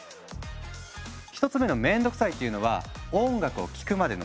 １つ目の「面倒くさい」っていうのは「音楽を聴くまでの手間」。